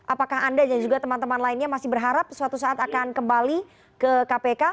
apakah anda dan juga teman teman lainnya masih berharap suatu saat akan kembali ke kpk